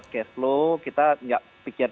cash flow kita gak pikir